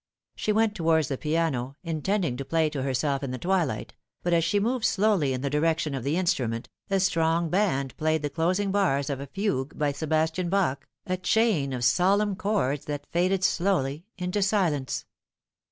She went towards the piano, intending to play to herself in the twilight, but as she moved slowly in the direction of the instrument a strong band played the closing bars of a fugue by Sebastian Bach, a chain of solemn chords that faded slowly into silence.